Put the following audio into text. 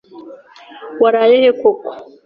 Waraye he koko?